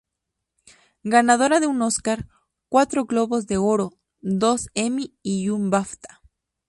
Ganadora de un Óscar, cuatro Globos de Oro, dos Emmy y un Bafta.